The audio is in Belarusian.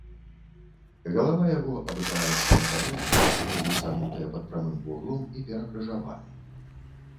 Галава яго абапіраецца на далонь, ногі сагнутыя пад прамым вуглом і перакрыжаваны.